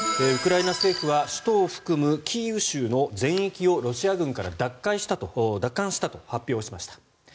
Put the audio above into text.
ウクライナ政府は首都を含むキーウ州の全域をロシア軍から奪還したと発表しました。